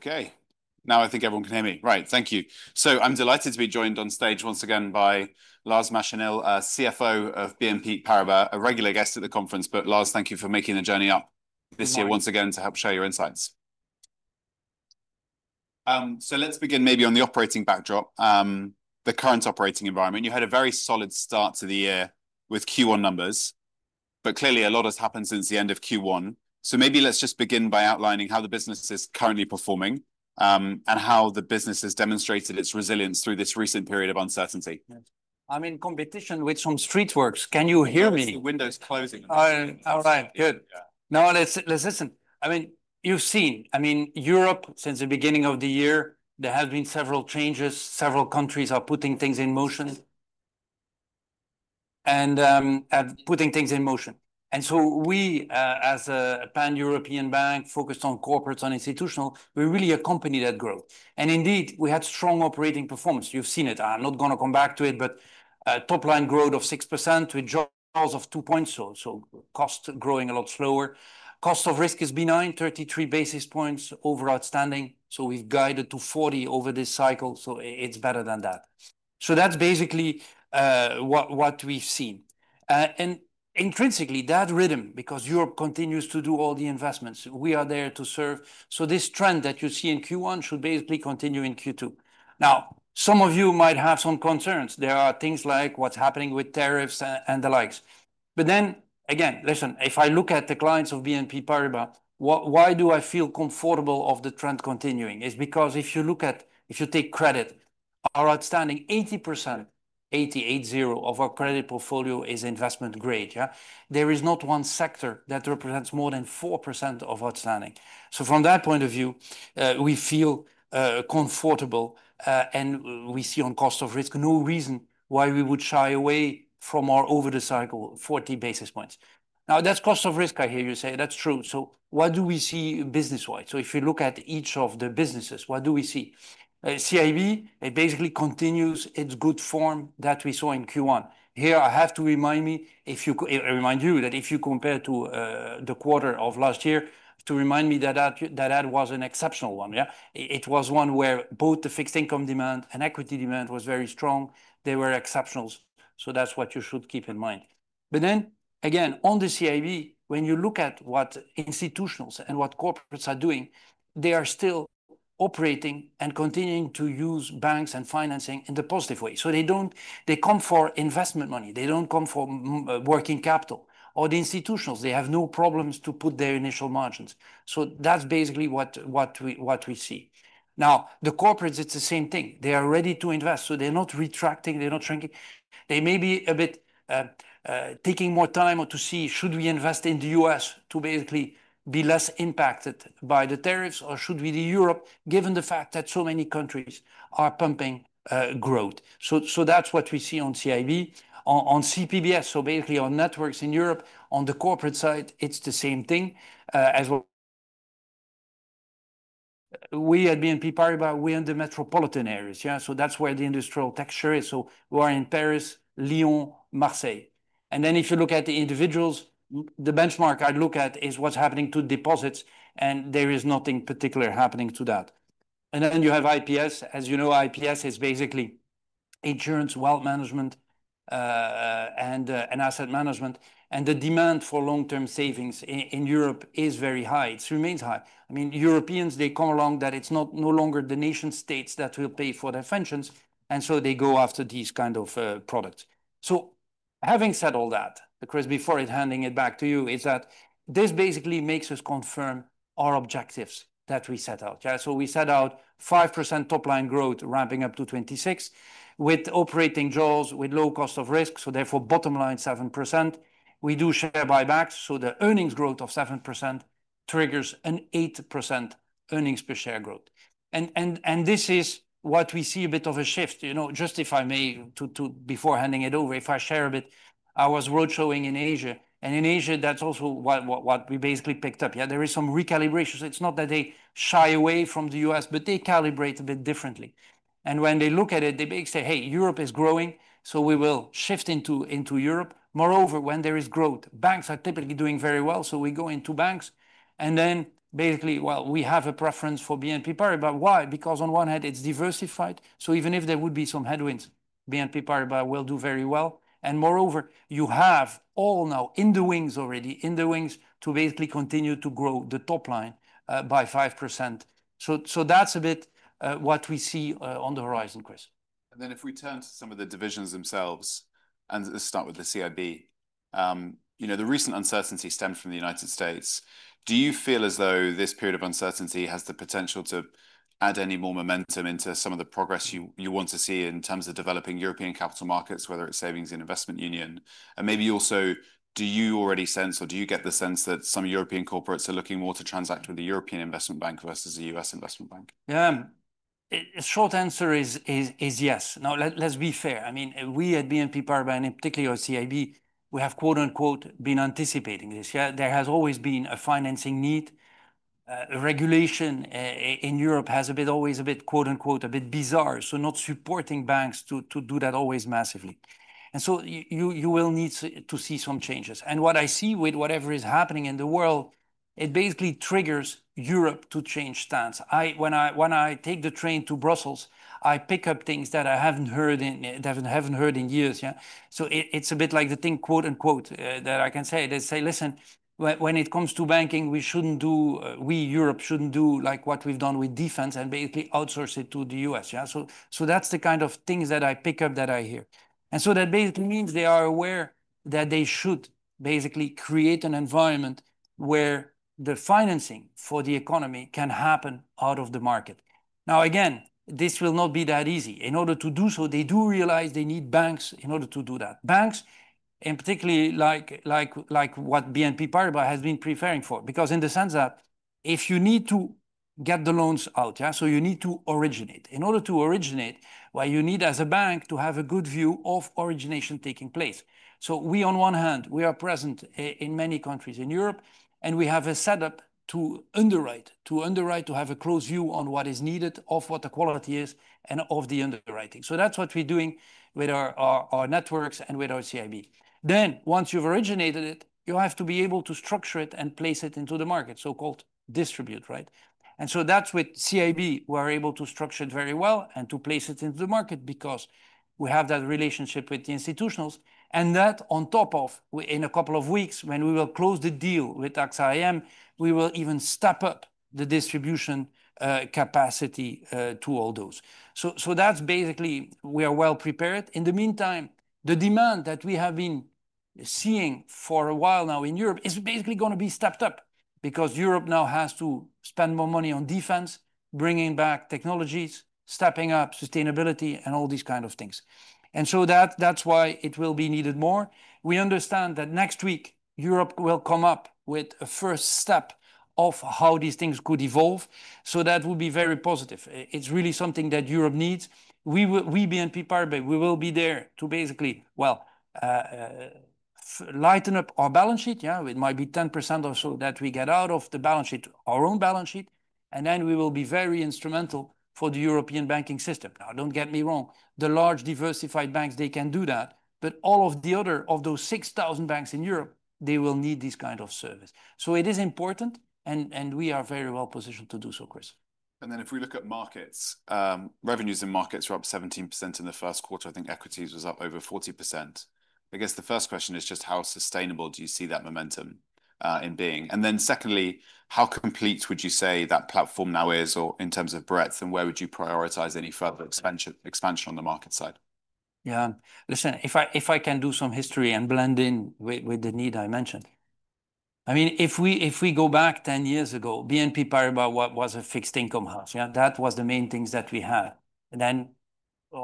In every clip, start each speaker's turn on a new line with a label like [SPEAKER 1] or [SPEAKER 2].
[SPEAKER 1] Okay, now I think everyone can hear me. Right, thank you. I am delighted to be joined on stage once again by Lars Machenil, CFO of BNP Paribas, a regular guest at the conference. Lars, thank you for making the journey up this year once again to help share your insights. Let's begin maybe on the operating backdrop, the current operating environment. You had a very solid start to the year with Q1 numbers, but clearly a lot has happened since the end of Q1. Maybe let's just begin by outlining how the business is currently performing and how the business has demonstrated its resilience through this recent period of uncertainty.
[SPEAKER 2] I'm in competition with some street works. Can you hear me?
[SPEAKER 1] Windows closing.
[SPEAKER 2] All right, good. Now let's listen. I mean, you've seen, I mean, Europe since the beginning of the year, there have been several changes. Several countries are putting things in motion and putting things in motion. We, as a pan-European bank focused on corporates and institutional, we really accompany that growth. Indeed, we had strong operating performance. You've seen it. I'm not going to come back to it, but top-line growth of 6% with jaws of 2. Costs growing a lot slower. Cost of risk is benign, 33 basis points over outstanding. We've guided to 40 over this cycle. It's better than that. That's basically what we've seen. Intrinsically, that rhythm, because Europe continues to do all the investments, we are there to serve. This trend that you see in Q1 should basically continue in Q2. Now, some of you might have some concerns. There are things like what's happening with tariffs and the likes. Then again, listen, if I look at the clients of BNP Paribas, why do I feel comfortable of the trend continuing? It's because if you look at, if you take credit, our outstanding 80%-88.0% of our credit portfolio is investment grade. There is not one sector that represents more than 4% of outstanding. From that point of view, we feel comfortable and we see on cost of risk, no reason why we would shy away from our over the cycle, 40 basis points. Now, that's cost of risk, I hear you say. That's true. What do we see business-wise? If you look at each of the businesses, what do we see? CIB, it basically continues its good form that we saw in Q1. Here, I have to remind you that if you compare to the quarter of last year, that was an exceptional one. It was one where both the fixed income demand and equity demand was very strong. They were exceptional. That is what you should keep in mind. Then again, on the CIB, when you look at what institutionals and what corporates are doing, they are still operating and continuing to use banks and financing in a positive way. They come for investment money. They do not come for working capital. For the institutionals, they have no problems to put their initial margins. That is basically what we see. Now, the corporates, it is the same thing. They are ready to invest. They are not retracting. They are not shrinking. They may be a bit taking more time or to see should we invest in the U.S. to basically be less impacted by the tariffs or should we do Europe, given the fact that so many countries are pumping growth. That is what we see on CIB, on CPBS. Basically on networks in Europe, on the corporate side, it is the same thing as what we at BNP Paribas, we are in the metropolitan areas. That is where the industrial texture is. We are in Paris, Lyon, Marseille. If you look at the individuals, the benchmark I would look at is what is happening to deposits. There is nothing particular happening to that. Then you have IPS. As you know, IPS is basically insurance, wealth management, and asset management. The demand for long-term savings in Europe is very high. It remains high. I mean, Europeans, they come along that it's not no longer the nation-states that will pay for their pensions. And so they go after these kinds of products. Having said all that, Chris, before handing it back to you, is that this basically makes us confirm our objectives that we set out. We set out 5% top-line growth, ramping up to 26% with operating jaws with low cost of risk. Therefore, bottom line 7%. We do share buybacks. The earnings growth of 7% triggers an 8% earnings per share growth. This is what we see, a bit of a shift. You know, justify me before handing it over. If I share a bit, I was roadshowing in Asia. In Asia, that's also what we basically picked up. Yeah, there is some recalibration. It is not that they shy away from the U.S., but they calibrate a bit differently. When they look at it, they say, hey, Europe is growing. We will shift into Europe. Moreover, when there is growth, banks are typically doing very well. We go into banks. Then basically, we have a preference for BNP Paribas. Why? Because on one hand, it is diversified. Even if there would be some headwinds, BNP Paribas will do very well. Moreover, you have all now in the wings already, in the wings to basically continue to grow the top line by 5%. That is a bit what we see on the horizon, Chris.
[SPEAKER 1] If we turn to some of the divisions themselves and start with the CIB, you know, the recent uncertainty stemmed from the United States. Do you feel as though this period of uncertainty has the potential to add any more momentum into some of the progress you want to see in terms of developing European capital markets, whether it's savings and investment union? Maybe also, do you already sense or do you get the sense that some European corporates are looking more to transact with the European Investment Bank versus the U.S. investment bank?
[SPEAKER 2] Yeah, the short answer is yes. Now, let's be fair. I mean, we at BNP Paribas, and particularly our CIB, we have quote-and-quote been anticipating this. There has always been a financing need. Regulation in Europe has always been a bit quote unquote a bit bizarre. Not supporting banks to do that always massively. You will need to see some changes. What I see with whatever is happening in the world, it basically triggers Europe to change stance. When I take the train to Brussels, I pick up things that I haven't heard in years. It's a bit like the thing quote unquote that I can say. They say, listen, when it comes to banking, we shouldn't do, we Europe shouldn't do like what we've done with defense and basically outsource it to the U.S. That is the kind of things that I pick up that I hear. That basically means they are aware that they should basically create an environment where the financing for the economy can happen out of the market. Now, again, this will not be that easy. In order to do so, they do realize they need banks in order to do that. Banks, and particularly like what BNP Paribas has been preparing for, because in the sense that if you need to get the loans out, you need to originate. In order to originate, you need as a bank to have a good view of origination taking place. On one hand, we are present in many countries in Europe, and we have a setup to underwrite, to have a close view on what is needed, what the quality is, and of the underwriting. That is what we are doing with our networks and with our CIB. Once you have originated it, you have to be able to structure it and place it into the market, so-called distribute, right? With CIB, we are able to structure it very well and to place it into the market because we have that relationship with the institutionals. In a couple of weeks, when we will close the deal with AXA IM, we will even step up the distribution capacity to all those. That is basically, we are well prepared. In the meantime, the demand that we have been seeing for a while now in Europe is basically going to be stepped up because Europe now has to spend more money on defense, bringing back technologies, stepping up sustainability and all these kinds of things. That is why it will be needed more. We understand that next week, Europe will come up with a first step of how these things could evolve. That will be very positive. It is really something that Europe needs. We, BNP Paribas, we will be there to basically, well, lighten up our balance sheet. It might be 10% or so that we get out of the balance sheet, our own balance sheet. We will be very instrumental for the European banking system. Now, do not get me wrong, the large diversified banks, they can do that. All of the other of those 6,000 banks in Europe, they will need this kind of service. So it is important and we are very well positioned to do so, Chris.
[SPEAKER 1] If we look at markets, revenues in markets were up 17% in the first quarter. I think equities was up over 40%. I guess the first question is just how sustainable do you see that momentum in being? Secondly, how complete would you say that platform now is in terms of breadth and where would you prioritize any further expansion on the market side?
[SPEAKER 2] Yeah, listen, if I can do some history and blend in with the need I mentioned. I mean, if we go back 10 years ago, BNP Paribas was a fixed income house. That was the main things that we had. Then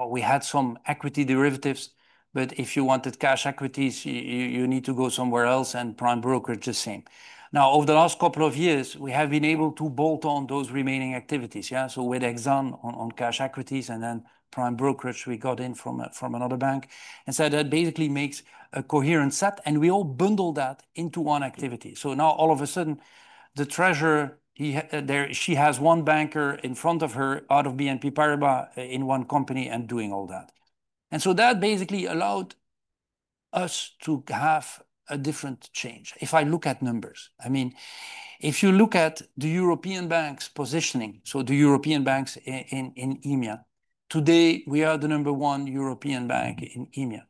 [SPEAKER 2] we had some equity derivatives, but if you wanted cash equities, you need to go somewhere else and prime brokerage is the same. Now, over the last couple of years, we have been able to bolt on those remaining activities. So with Exane on cash equities and then prime brokerage, we got in from another bank and said that basically makes a coherent set and we all bundle that into one activity. Now all of a sudden, the treasurer, she has one banker in front of her out of BNP Paribas in one company and doing all that. That basically allowed us to have a different change. If I look at numbers, I mean, if you look at the European banks positioning, the European banks in EMIA, today we are the number one European bank in EMIA.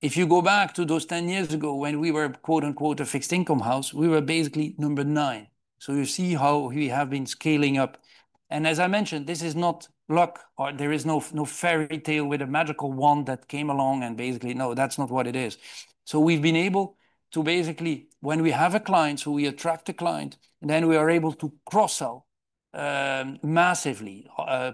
[SPEAKER 2] If you go back to those 10 years ago when we were, quote unquote, a fixed income house, we were basically number nine. You see how we have been scaling up. As I mentioned, this is not luck. There is no fairy tale with a magical wand that came along and basically, no, that is not what it is. We have been able to, when we have a client, we attract a client and then we are able to cross-sell massively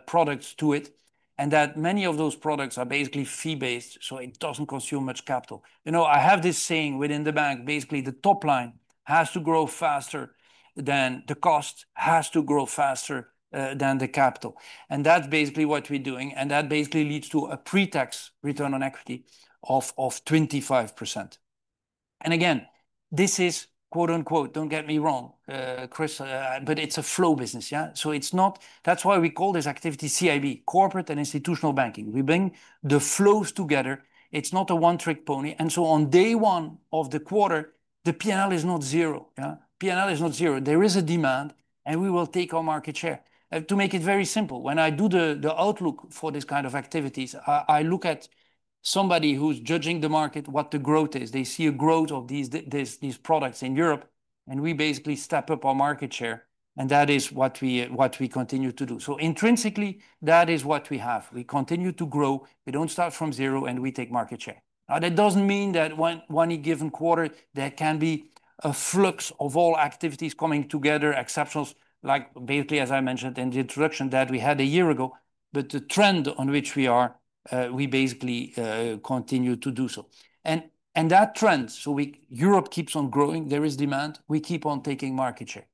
[SPEAKER 2] products to it. Many of those products are basically fee-based, so it does not consume much capital. You know, I have this saying within the bank, basically the top line has to grow faster than the cost has to grow faster than the capital. That is basically what we're doing. That basically leads to a pre-tax return on equity of 25%. Again, this is quote unquote, don't get me wrong, Chris, but it's a flow business. Yeah. It's not, that's why we call this activity CIB, corporate and institutional banking. We bring the flows together. It's not a one trick pony. On day one of the quarter, the PL is not zero. PL is not zero. There is a demand and we will take our market share. To make it very simple, when I do the outlook for this kind of activities, I look at somebody who's judging the market, what the growth is. They see a growth of these products in Europe and we basically step up our market share. That is what we continue to do. Intrinsically, that is what we have. We continue to grow. We do not start from zero and we take market share. That does not mean that one given quarter, there can be a flux of all activities coming together, exceptions like basically, as I mentioned in the introduction that we had a year ago, but the trend on which we are, we basically continue to do so. That trend, Europe keeps on growing, there is demand, we keep on taking market share.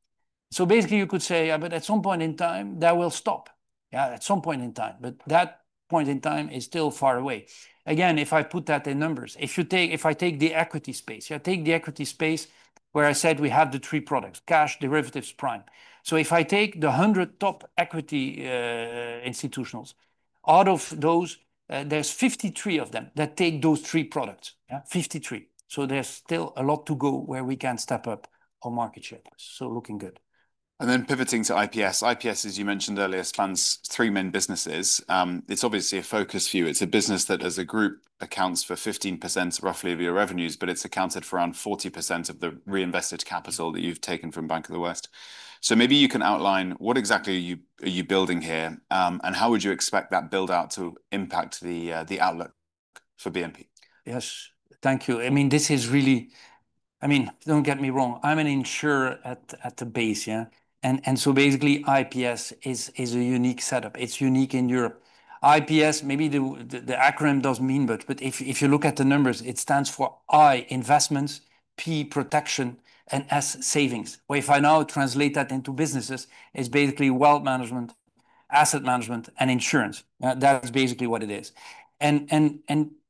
[SPEAKER 2] Basically, you could say, but at some point in time, that will stop. Yeah, at some point in time, but that point in time is still far away. Again, if I put that in numbers, if you take, if I take the equity space, I take the equity space where I said we have the three products, cash, derivatives, prime. If I take the 100 top equity institutionals, out of those, there are 53 of them that take those three products. Fifty-three. There is still a lot to go where we can step up our market share. Looking good.
[SPEAKER 1] Pivoting to IPS. IPS, as you mentioned earlier, spans three main businesses. It's obviously a focus view. It's a business that as a group accounts for 15% roughly of your revenues, but it's accounted for around 40% of the reinvested capital that you've taken from Bank of the West. Maybe you can outline what exactly are you building here and how would you expect that build out to impact the outlook for BNP Paribas?
[SPEAKER 2] Yes, thank you. I mean, this is really, I mean, don't get me wrong, I'm an insurer at the base. Basically, IPS is a unique setup. It's unique in Europe. IPS, maybe the acronym doesn't mean, but if you look at the numbers, it stands for I Investments, P Protection, and S Savings. If I now translate that into businesses, it's basically wealth management, asset management, and insurance. That's basically what it is.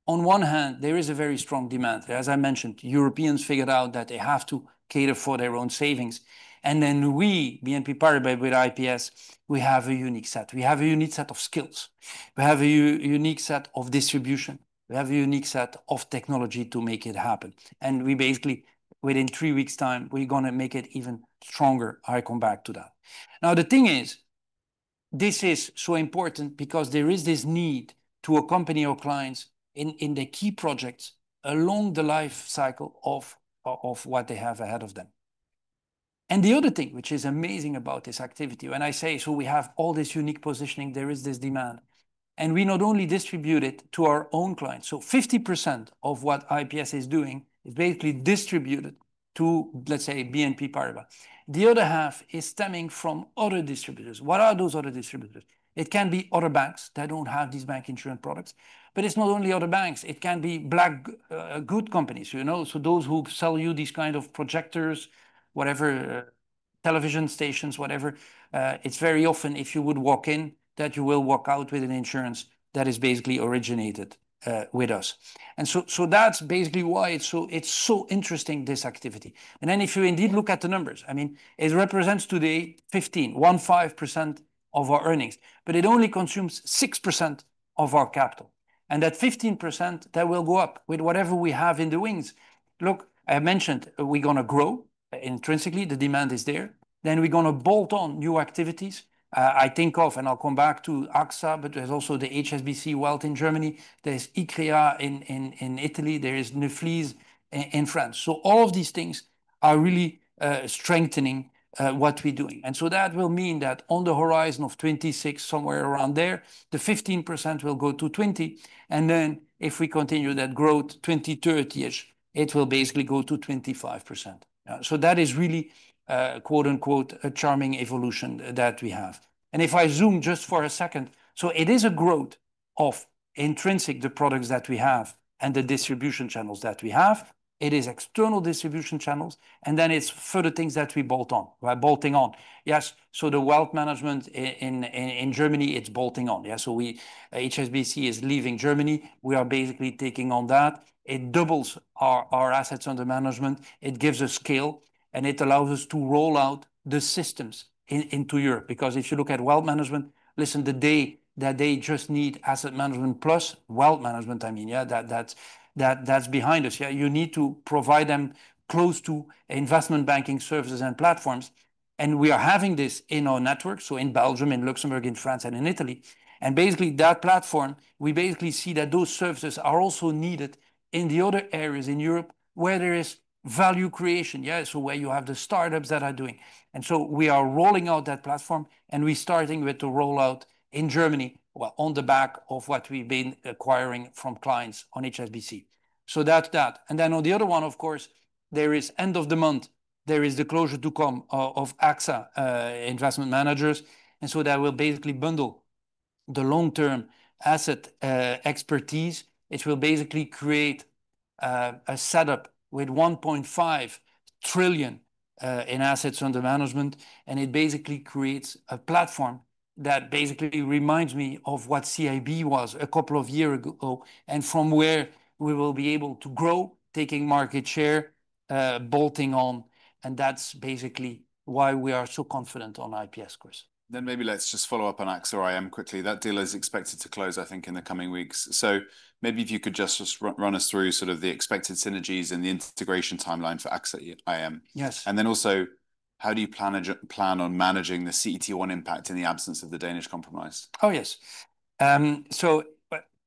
[SPEAKER 2] On one hand, there is a very strong demand. As I mentioned, Europeans figured out that they have to cater for their own savings. We, BNP Paribas, with IPS, we have a unique set. We have a unique set of skills. We have a unique set of distribution. We have a unique set of technology to make it happen. We basically, within three weeks' time, are going to make it even stronger. I come back to that. The thing is, this is so important because there is this need to accompany our clients in the key projects along the life cycle of what they have ahead of them. The other thing, which is amazing about this activity, when I say, we have all this unique positioning, there is this demand. We not only distribute it to our own clients. 50% of what IPS is doing is basically distributed to, let's say, BNP Paribas. The other half is stemming from other distributors. What are those other distributors? It can be other banks that do not have these bank insurance products. It is not only other banks. It can be black good companies, you know, so those who sell you these kinds of projectors, whatever, television stations, whatever. It's very often, if you would walk in, that you will walk out with an insurance that is basically originated with us. That's basically why it's so interesting, this activity. If you indeed look at the numbers, I mean, it represents today 15% of our earnings, but it only consumes 6% of our capital. That 15% will go up with whatever we have in the wings. Look, I mentioned we're going to grow intrinsically. The demand is there. We're going to bolt on new activities. I think of, and I'll come back to AXA, but there's also the HSBC Wealth in Germany. There's IKEA in Italy. There is [Neflis] in France. All of these things are really strengthening what we are doing. That will mean that on the horizon of 2026, somewhere around there, the 15% will go to 20%. If we continue that growth, 2030-ish, it will basically go to 25%. That is really, quote unquote, a charming evolution that we have. If I zoom just for a second, it is a growth of intrinsic, the products that we have and the distribution channels that we have. It is external distribution channels. Then it is further things that we bolt on, bolting on. Yes. The wealth management in Germany, it is bolting on. Yeah. HSBC is leaving Germany. We are basically taking on that. It doubles our assets under management. It gives us scale and it allows us to roll out the systems into Europe. Because if you look at wealth management, listen, the day that they just need asset management plus wealth management, I mean, yeah, that's behind us. Yeah. You need to provide them close to investment banking services and platforms. We are having this in our network. In Belgium, in Luxembourg, in France, and in Italy. Basically, that platform, we basically see that those services are also needed in the other areas in Europe where there is value creation. Yeah. Where you have the startups that are doing. We are rolling out that platform and we're starting with the rollout in Germany, on the back of what we've been acquiring from clients on HSBC. That's that. On the other one, of course, there is end of the month, there is the closure to come of AXA Investment Managers. That will basically bundle the long-term asset expertise. It will basically create a setup with $1.5 trillion in assets under management. It basically creates a platform that basically reminds me of what CIB was a couple of years ago and from where we will be able to grow, taking market share, bolting on. That is basically why we are so confident on IPS, Chris.
[SPEAKER 1] Maybe let's just follow up on AXA IM quickly. That deal is expected to close, I think, in the coming weeks. If you could just run us through sort of the expected synergies and the integration timeline for AXA IM. Also, how do you plan on managing the CET1 impact in the absence of the Danish compromise?
[SPEAKER 2] Oh, yes. So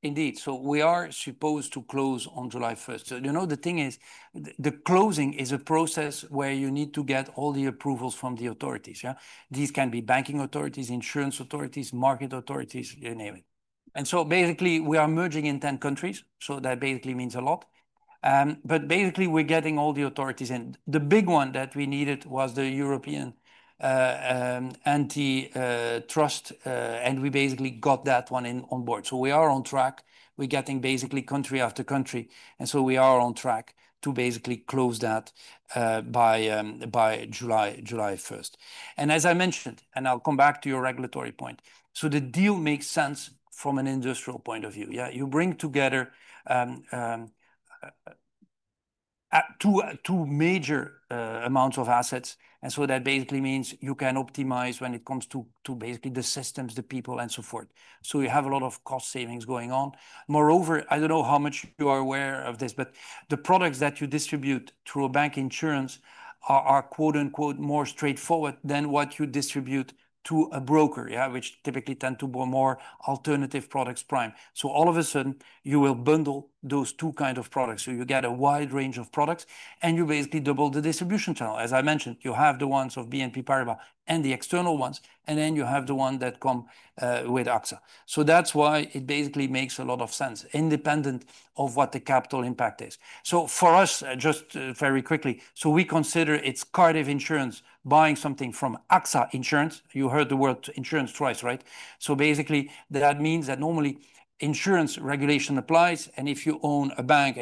[SPEAKER 2] indeed, we are supposed to close on July 1. You know, the thing is, the closing is a process where you need to get all the approvals from the authorities. Yeah. These can be banking authorities, insurance authorities, market authorities, you name it. Basically, we are merging in 10 countries. That basically means a lot. We are getting all the authorities in. The big one that we needed was the European anti-trust, and we basically got that one on board. We are on track. We are getting country after country. We are on track to close that by July 1st. As I mentioned, and I'll come back to your regulatory point, the deal makes sense from an industrial point of view. Yeah. You bring together two major amounts of assets. That basically means you can optimize when it comes to the systems, the people, and so forth. You have a lot of cost savings going on. Moreover, I do not know how much you are aware of this, but the products that you distribute through a bank insurance are, quote unquote, more straightforward than what you distribute to a broker, yeah, which typically tend to be more alternative products, prime. All of a sudden, you will bundle those two kinds of products. You get a wide range of products and you basically double the distribution channel. As I mentioned, you have the ones of BNP Paribas and the external ones, and then you have the one that come with AXA. That is why it basically makes a lot of sense independent of what the capital impact is. For us, just very quickly, we consider it's Cardiff Insurance buying something from AXA Insurance. You heard the word insurance twice, right? That means that normally insurance regulation applies. If you are a bank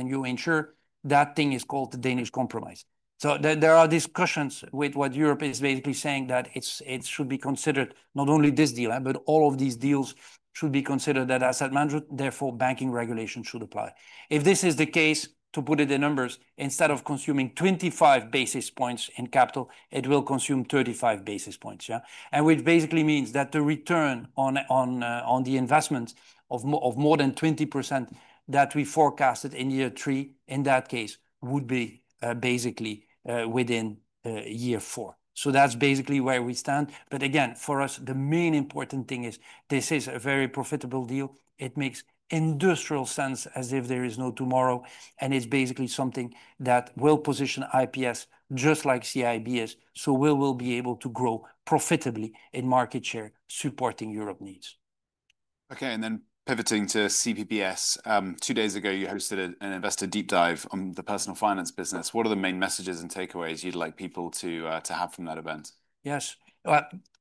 [SPEAKER 2] and you insure, that thing is called the Danish compromise. There are discussions with what Europe is basically saying that it should be considered not only this deal, but all of these deals should be considered asset management, therefore banking regulation should apply. If this is the case, to put it in numbers, instead of consuming 25 basis points in capital, it will consume 35 basis points. Which basically means that the return on the investment of more than 20% that we forecasted in year three, in that case, would be basically within year four. That is basically where we stand. Again, for us, the main important thing is this is a very profitable deal. It makes industrial sense as if there is no tomorrow. It is basically something that will position IPS just like CIB. We will be able to grow profitably in market share supporting Europe needs.
[SPEAKER 1] Okay. Pivoting to CPBS, two days ago, you hosted an investor deep dive on the personal finance business. What are the main messages and takeaways you'd like people to have from that event?
[SPEAKER 2] Yes.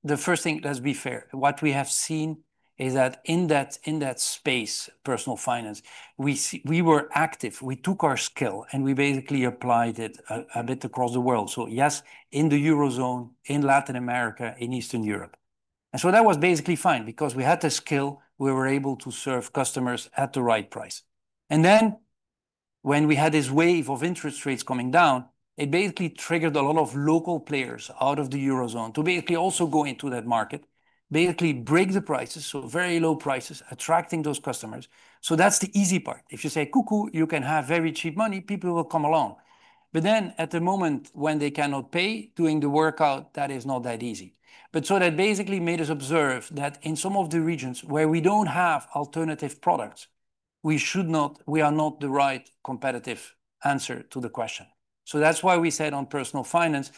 [SPEAKER 2] The first thing, let's be fair, what we have seen is that in that space, personal finance, we were active. We took our skill and we basically applied it a bit across the world. Yes, in the Eurozone, in Latin America, in Eastern Europe. That was basically fine because we had the skill. We were able to serve customers at the right price. When we had this wave of interest rates coming down, it basically triggered a lot of local players out of the Eurozone to also go into that market, basically break the prices. Very low prices, attracting those customers. That's the easy part. If you say, "Cuckoo, you can have very cheap money," people will come along. At the moment when they cannot pay doing the workout, that is not that easy. That basically made us observe that in some of the regions where we do not have alternative products, we are not the right competitive answer to the question. That is why we said on personal finance,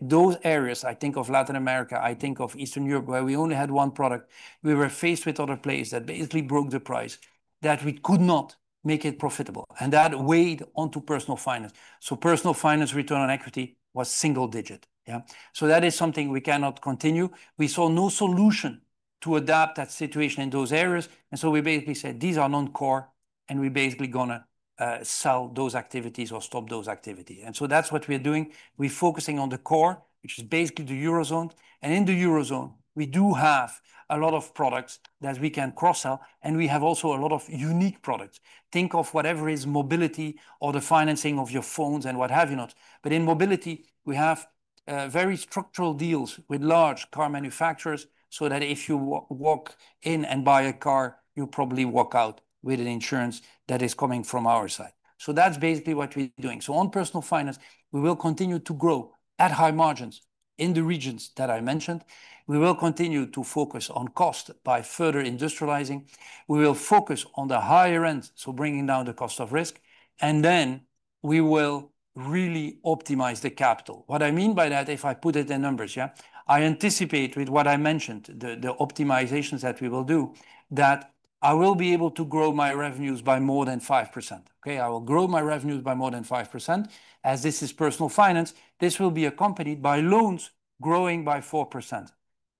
[SPEAKER 2] those areas, I think of Latin America, I think of Eastern Europe, where we only had one product, we were faced with other players that basically broke the price so that we could not make it profitable. That weighed onto personal finance. Personal finance return on equity was single digit. Yeah. That is something we cannot continue. We saw no solution to adapt that situation in those areas. We basically said, "These are non-core," and we are basically going to sell those activities or stop those activities. That is what we are doing. We are focusing on the core, which is basically the Eurozone. In the Eurozone, we do have a lot of products that we can cross-sell. We have also a lot of unique products. Think of whatever is mobility or the financing of your phones and what have you not. In mobility, we have very structural deals with large car manufacturers so that if you walk in and buy a car, you probably walk out with an insurance that is coming from our side. That's basically what we're doing. On personal finance, we will continue to grow at high margins in the regions that I mentioned. We will continue to focus on cost by further industrializing. We will focus on the higher end, bringing down the cost of risk. We will really optimize the capital. What I mean by that, if I put it in numbers, yeah, I anticipate with what I mentioned, the optimizations that we will do, that I will be able to grow my revenues by more than 5%. Okay. I will grow my revenues by more than 5%. As this is personal finance, this will be accompanied by loans growing by 4%.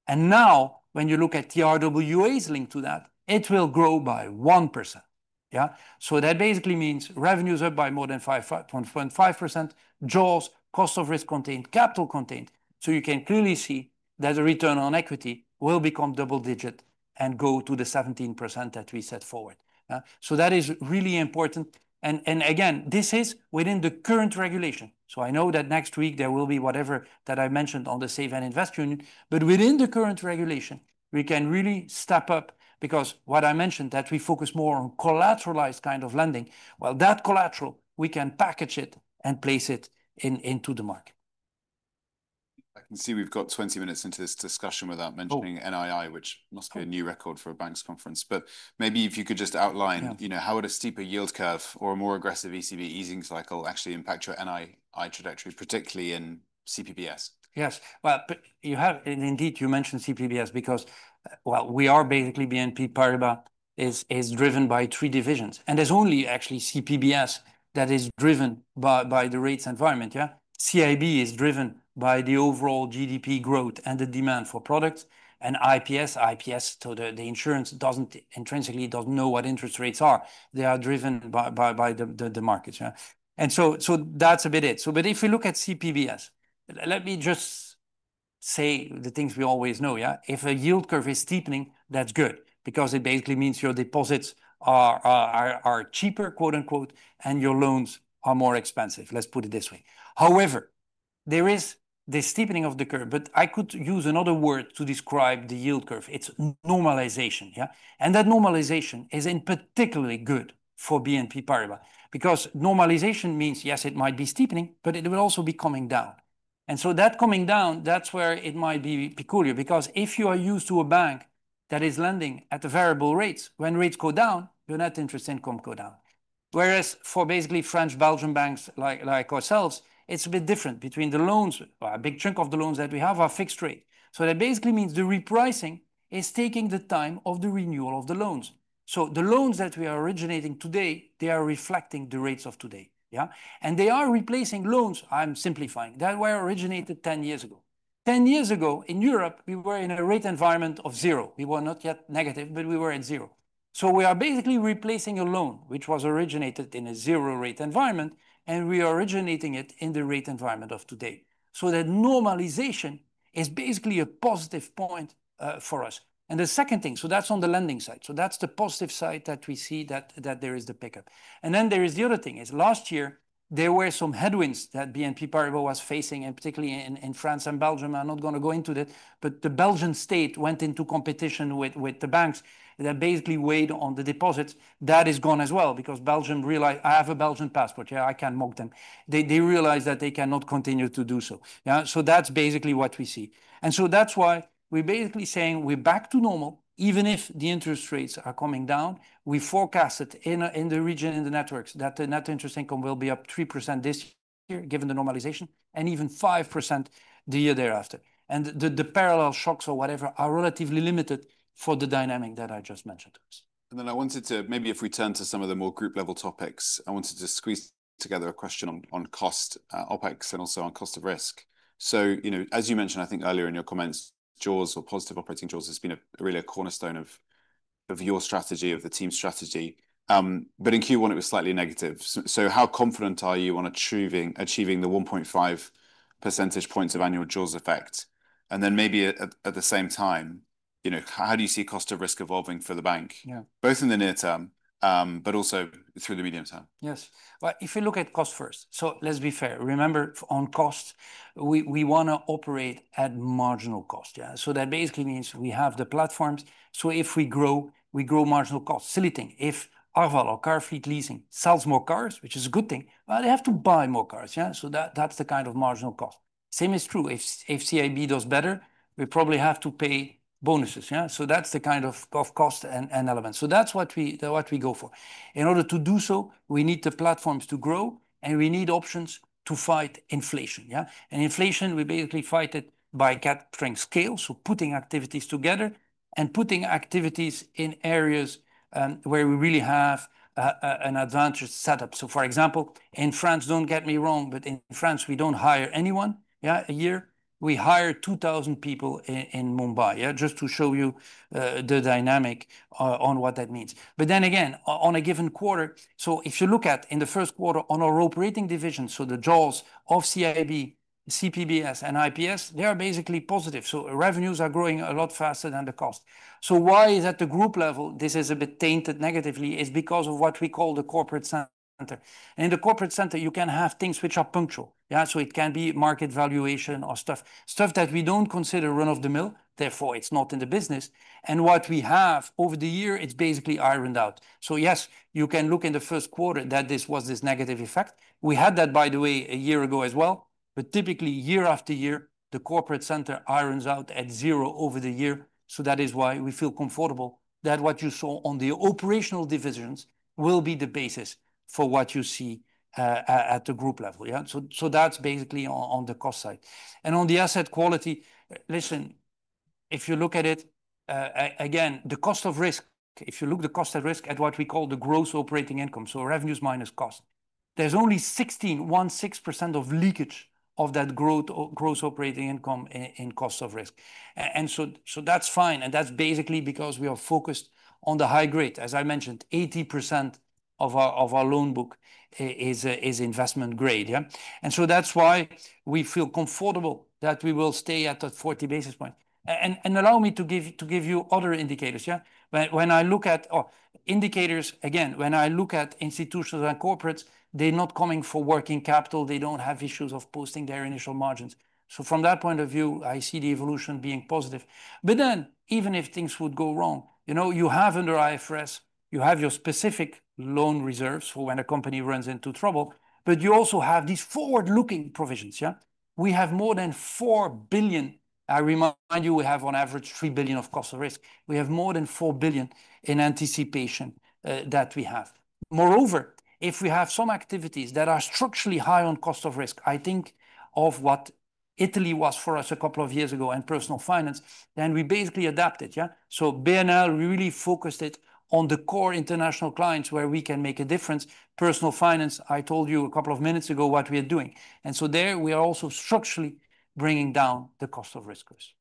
[SPEAKER 2] And now when you look at TRWAs linked to that, it will grow by 1%. Yeah. That basically means revenues are by more than 5.5%, jaws, cost of risk contained, capital contained. You can clearly see that the return on equity will become double digit and go to the 17% that we set forward. That is really important. Again, this is within the current regulation. I know that next week there will be whatever that I mentioned on the Save and Invest Union. Within the current regulation, we can really step up because what I mentioned that we focus more on collateralized kind of lending. That collateral, we can package it and place it into the market.
[SPEAKER 1] I can see we've got 20 minutes into this discussion without mentioning NII, which must be a new record for a banks conference. Maybe if you could just outline, you know, how would a steeper yield curve or a more aggressive ECB easing cycle actually impact your NII trajectory, particularly in CPBS?
[SPEAKER 2] Yes. You have indeed, you mentioned CPBS because, basically, BNP Paribas is driven by three divisions. There is only actually CPBS that is driven by the rates environment. CIB is driven by the overall GDP growth and the demand for products. IPS, so the insurance does not intrinsically know what interest rates are. They are driven by the markets. That is a bit it. If we look at CPBS, let me just say the things we always know. If a yield curve is steepening, that is good because it basically means your deposits are cheaper, quote unquote, and your loans are more expensive. Let us put it this way. However, there is the steepening of the curve, but I could use another word to describe the yield curve. It is normalization. That normalization is in particularly good for BNP Paribas because normalization means, yes, it might be steepening, but it will also be coming down. That coming down, that's where it might be peculiar because if you are used to a bank that is lending at the variable rates, when rates go down, your net interest income goes down. Whereas for basically French, Belgian banks like ourselves, it's a bit different between the loans, a big chunk of the loans that we have are fixed rate. That basically means the repricing is taking the time of the renewal of the loans. The loans that we are originating today, they are reflecting the rates of today. Yeah. They are replacing loans. I'm simplifying. That's where it originated 10 years ago. Ten years ago in Europe, we were in a rate environment of zero. We were not yet negative, but we were at zero. We are basically replacing a loan which was originated in a zero rate environment and we are originating it in the rate environment of today. That normalization is basically a positive point for us. The second thing, that is on the lending side. That is the positive side that we see, that there is the pickup. There is the other thing. Last year, there were some headwinds that BNP Paribas was facing, and particularly in France and Belgium. I'm not going to go into it, but the Belgian state went into competition with the banks that basically weighed on the deposits. That is gone as well because Belgium realized, "I have a Belgian passport. Yeah, I can mock them." They realized that they cannot continue to do so. Yeah. That's basically what we see. That's why we're basically saying we're back to normal. Even if the interest rates are coming down, we forecast in the region, in the networks, that the net interest income will be up 3% this year given the normalization and even 5% the year thereafter. The parallel shocks or whatever are relatively limited for the dynamic that I just mentioned.
[SPEAKER 1] I wanted to maybe if we turn to some of the more group level topics, I wanted to squeeze together a question on cost OpEx and also on cost of risk. You know, as you mentioned, I think earlier in your comments, jaws or positive operating jaws has been really a cornerstone of your strategy, of the team strategy. In Q1, it was slightly negative. How confident are you on achieving the 1.5 percentage points of annual jaws effect? At the same time, you know, how do you see cost of risk evolving for the bank, both in the near term, but also through the medium term?
[SPEAKER 2] Yes. If you look at cost first, let's be fair, remember on cost, we want to operate at marginal cost. Yeah. That basically means we have the platforms. If we grow, we grow marginal cost. Silly thing, if Arval or Carfleet Leasing sells more cars, which is a good thing, they have to buy more cars. Yeah. That is the kind of marginal cost. Same is true, if CIB does better, we probably have to pay bonuses. Yeah. That is the kind of cost and element. That is what we go for. In order to do so, we need the platforms to grow and we need options to fight inflation. Yeah. Inflation, we basically fight it by capturing scale, putting activities together and putting activities in areas where we really have an advantage setup. For example, in France, do not get me wrong, but in France, we do not hire anyone. Yeah. A year, we hire 2,000 people in Mumbai. Yeah. Just to show you the dynamic on what that means. Then again, on a given quarter, if you look at in the first quarter on our operating division, the jaws of CIB, CPBS, and IPS, they are basically positive. Revenues are growing a lot faster than the cost. Why at the group level this is a bit tainted negatively is because of what we call the corporate center. In the corporate center, you can have things which are punctual. Yeah. It can be market valuation or stuff, stuff that we do not consider run of the mill. Therefore, it is not in the business. What we have over the year, it is basically ironed out. Yes, you can look in the first quarter that this was this negative effect. We had that, by the way, a year ago as well. Typically, year after year, the corporate center irons out at zero over the year. That is why we feel comfortable that what you saw on the operational divisions will be the basis for what you see at the group level. Yeah. That is basically on the cost side. On the asset quality, listen, if you look at it, again, the cost of risk, if you look at the cost of risk at what we call the gross operating income, so revenues minus cost, there is only 16.16% of leakage of that gross operating income in cost of risk. That is fine. That is basically because we are focused on the high grade. As I mentioned, 80% of our loan book is investment grade. Yeah. That is why we feel comfortable that we will stay at the 40 basis point. Allow me to give you other indicators. Yeah. When I look at indicators, again, when I look at institutions and corporates, they are not coming for working capital. They do not have issues of posting their initial margins. From that point of view, I see the evolution being positive. Even if things would go wrong, you know, you have under IFRS, you have your specific loan reserves for when a company runs into trouble, but you also have these forward-looking provisions. Yeah. We have more than $4 billion. I remind you, we have on average $3 billion of cost of risk. We have more than $4 billion in anticipation that we have. Moreover, if we have some activities that are structurally high on cost of risk, I think of what Italy was for us a couple of years ago and personal finance, then we basically adapted. Yeah. BNL really focused it on the core international clients where we can make a difference. Personal finance, I told you a couple of minutes ago what we are doing. There we are also structurally bringing down the cost of riskers.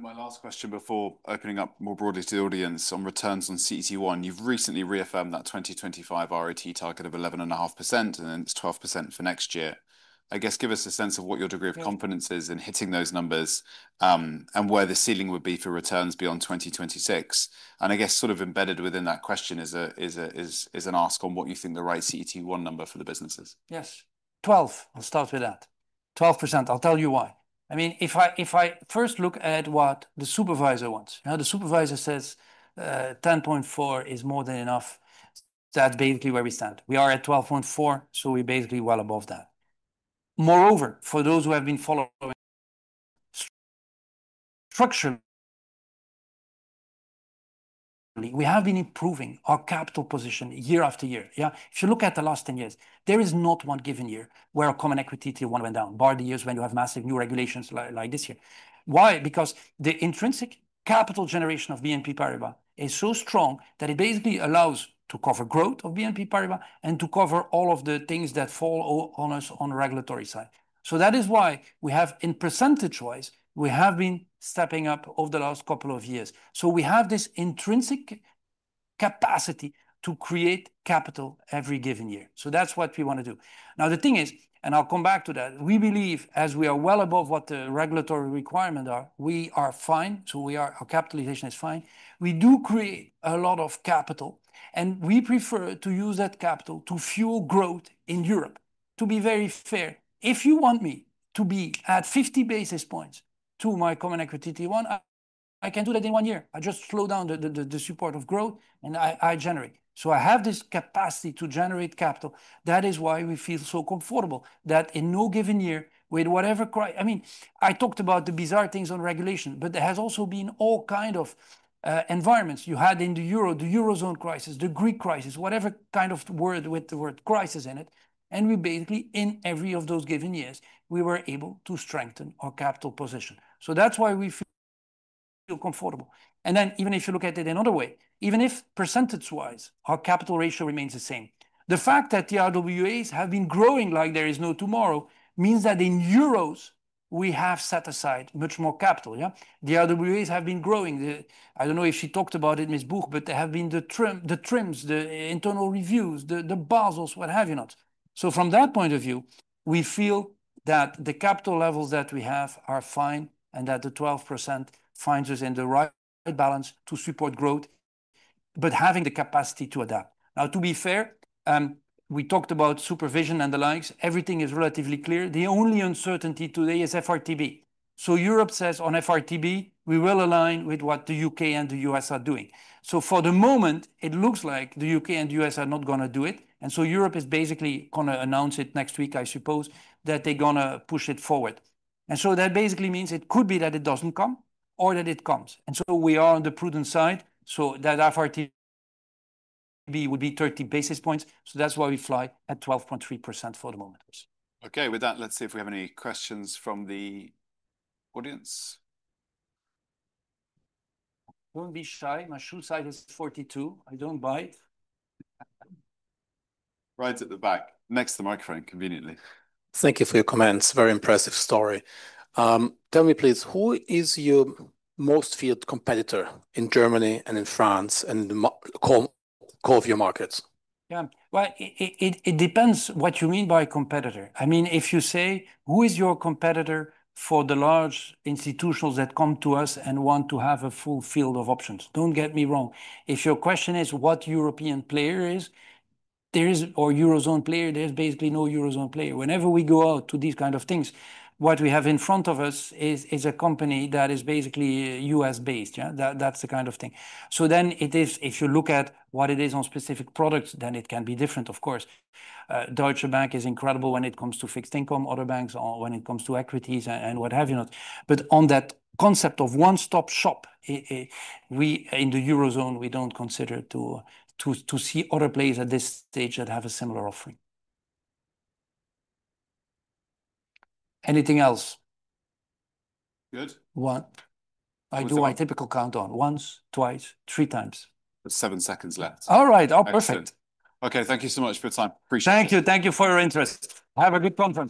[SPEAKER 1] My last question before opening up more broadly to the audience on returns on CET1, you've recently reaffirmed that 2025 ROT target of 11.5% and then it's 12% for next year. I guess give us a sense of what your degree of confidence is in hitting those numbers and where the ceiling would be for returns beyond 2026. I guess sort of embedded within that question is an ask on what you think the right CET1 number for the business is.
[SPEAKER 2] Yes. Twelve. I'll start with that. Twelve percent. I'll tell you why. I mean, if I first look at what the supervisor wants, now the supervisor says 10.4% is more than enough. That's basically where we stand. We are at 12.4%. So we're basically well above that. Moreover, for those who have been following structurally, we have been improving our capital position year after year. Yeah. If you look at the last 10 years, there is not one given year where a common equity T1 went down, bar the years when you have massive new regulations like this year. Why? Because the intrinsic capital generation of BNP Paribas is so strong that it basically allows to cover growth of BNP Paribas and to cover all of the things that fall on us on the regulatory side. That is why we have, in percentage wise, we have been stepping up over the last couple of years. We have this intrinsic capacity to create capital every given year. That is what we want to do. Now the thing is, and I will come back to that, we believe as we are well above what the regulatory requirements are, we are fine. Our capitalization is fine. We do create a lot of capital and we prefer to use that capital to fuel growth in Europe. To be very fair, if you want me to be at 50 basis points to my common equity T1, I can do that in one year. I just slow down the support of growth and I generate. I have this capacity to generate capital. That is why we feel so comfortable that in no given year with whatever, I mean, I talked about the bizarre things on regulation, but there has also been all kinds of environments. You had in the euro, the Eurozone crisis, the Greek crisis, whatever kind of word with the word crisis in it. We basically in every of those given years, we were able to strengthen our capital position. That is why we feel comfortable. Even if you look at it another way, even if percentage wise, our capital ratio remains the same. The fact that the RWAs have been growing like there is no tomorrow means that in euros, we have set aside much more capital. Yeah. The RWAs have been growing. I do not know if she talked about it in this book but there have been the trims, the internal reviews, the basils, what have you not. From that point of view, we feel that the capital levels that we have are fine and that the 12% finds us in the right balance to support growth, but having the capacity to adapt. Now, to be fair, we talked about supervision and the likes. Everything is relatively clear. The only uncertainty today is FRTB. Europe says on FRTB, we will align with what the U.K. and the U.S. are doing. For the moment, it looks like the U.K. and the U.S. are not going to do it. Europe is basically going to announce it next week, I suppose, that they're going to push it forward. That basically means it could be that it does not come or that it comes. We are on the prudent side so that FRTB would be 30 basis points. That is why we fly at 12.3% for the moment.
[SPEAKER 1] Okay. With that, let's see if we have any questions from the audience.
[SPEAKER 2] Don't be shy. My shoe size is 42. I don't bite.
[SPEAKER 1] Right at the back, next to the microphone, conveniently.
[SPEAKER 3] Thank you for your comments. Very impressive story. Tell me please, who is your most feared competitor in Germany and in France and all of your markets?
[SPEAKER 2] Yeah. It depends what you mean by competitor. I mean, if you say, who is your competitor for the large institutions that come to us and want to have a full field of options? Don't get me wrong. If your question is what European player is, there is, or Eurozone player, there's basically no Eurozone player. Whenever we go out to these kinds of things, what we have in front of us is a company that is basically US based. Yeah. That's the kind of thing. If you look at what it is on specific products, then it can be different, of course. Deutsche Bank is incredible when it comes to fixed income, other banks when it comes to equities and what have you not. On that concept of one stop shop, in the Eurozone, we do not consider to see other plays at this stage that have a similar offering. Anything else?
[SPEAKER 1] Good.
[SPEAKER 2] What I do, my typical count on once, twice, three times.
[SPEAKER 1] Seven seconds left.
[SPEAKER 2] All right. Oh, perfect.
[SPEAKER 1] Excellent. Okay. Thank you so much for your time. Appreciate it.
[SPEAKER 2] Thank you. Thank you for your interest. Have a good conference.